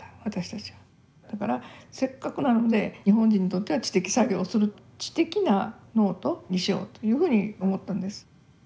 だからせっかくなので日本人にとっては知的作業をする知的なノートにしようというふうに思ったんです。